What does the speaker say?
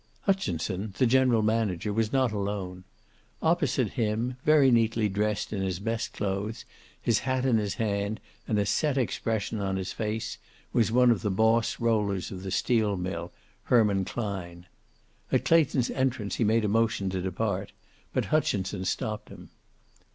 Hutchinson, the general manager, was not alone. Opposite him, very neatly dressed in his best clothes, his hat in his hand and a set expression on his face, was one of the boss rollers of the steel mill, Herman Klein. At Clayton's entrance he made a motion to depart, but Hutchinson stopped him.